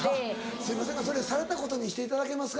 すいませんがそれされたことにしていただけますか？